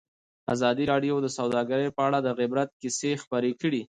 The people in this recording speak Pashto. ازادي راډیو د سوداګري په اړه د عبرت کیسې خبر کړي.